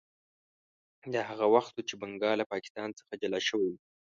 دا هغه وخت و چې بنګال له پاکستان څخه جلا شوی و.